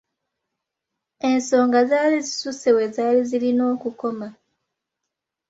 Ensonga zaali zisusse we zaali zirina okukoma.